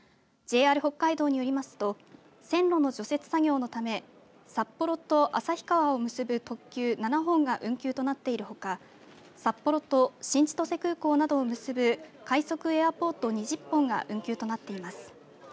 ＪＲ北海道によりますと線路の除雪作業のため札幌と旭川を結ぶ特急７本が運休となっているほか札幌と新千歳空港などを結ぶ快速エアポート２０本が運休となっています。